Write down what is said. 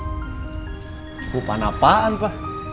cukupan apaan pa